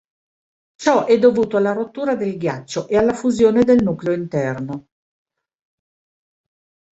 Ciò è dovuto alla rottura del ghiaccio e alla fusione del nucleo interno.